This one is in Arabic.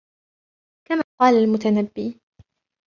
كَمَا قَالَ الْمُتَنَبِّي